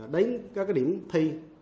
đến các điểm thi